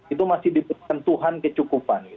itu masih diperkentuhan kecukupan